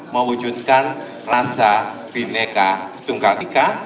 mewujudkan rasa bimnaka tunggal tika